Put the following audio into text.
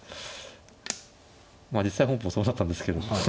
実際本譜もそうなったんですけど。